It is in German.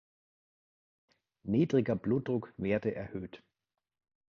Niedriger Blutdruck werde erhöht.